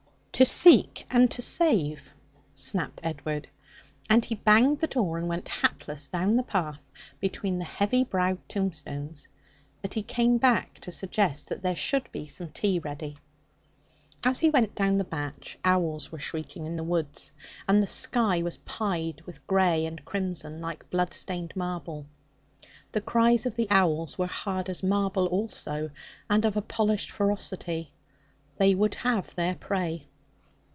'To seek and to save,' snapped Edward, and he banged the door and went hatless down the path between the heavy browed tombstones. But he came back to suggest that there should be some tea ready. As he went down the batch, owls were shrieking in the woods, and the sky was pied with grey and crimson, like bloodstained marble. The cries of the owls were hard as marble also, and of a polished ferocity. They would have their prey.